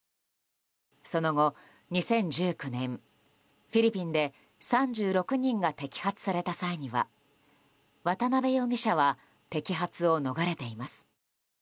その後、２０１９年フィリピンで３６人が摘発された際には渡邉容疑者は摘発を逃れています。